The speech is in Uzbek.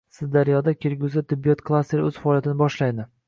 Sirdaryoda kelgusida Tibbiyot klasteri o‘z faoliyatini boshlaydi